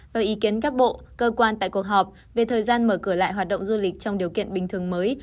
và ý kiến các bộ cơ quan tại cuộc họp về thời gian mở cửa lại hoạt động du lịch trong điều kiện bình thường mới